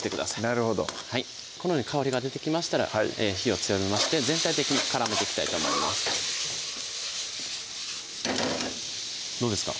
なるほどこのように香りが出てきましたら火を強めまして全体的に絡めていきたいと思いますどうですか？